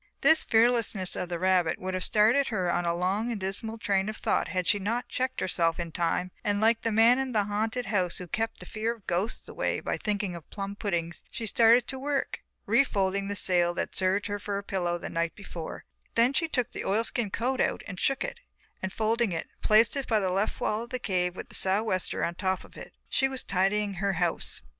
This fearlessness of the rabbit would have started her on a long and dismal train of thought had she not checked herself in time and like the man in the haunted house who kept the fear of ghosts away by thinking of plum puddings, she started to work, re folding the sail that had served her for a pillow the night before; then she took the oilskin coat out and shook it, and folding it, placed it by the left wall of the cave with the sou'wester on top of it. She was tidying her house.